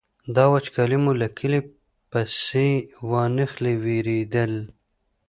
دا وچکالي مو له کلي پسې وانخلي وېرېدل.